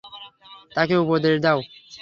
তাকে উপদেশ দাও।